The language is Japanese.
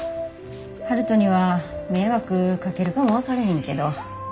悠人には迷惑かけるかも分かれへんけど。